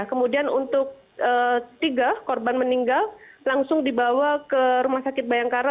kemudian untuk tiga korban meninggal langsung dibawa ke rumah sakit bayangkara